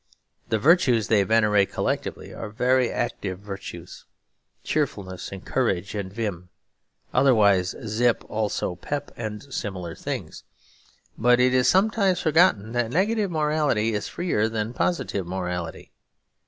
The virtues they venerate collectively are very active virtues; cheerfulness and courage and vim, otherwise zip, also pep and similar things. But it is sometimes forgotten that negative morality is freer than positive morality.